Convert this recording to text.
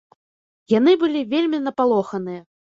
Яны былі вельмі напалоханыя.